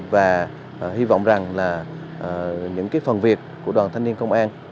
và hy vọng rằng là những cái phần việc của đoàn thanh niên công an